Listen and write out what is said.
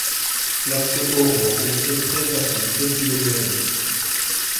L'accès au Rhône est très facile depuis les deux rives.